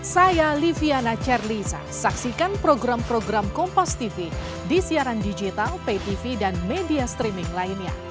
saya liviana cerlisa saksikan program program kompastv di siaran digital paytv dan media streaming lainnya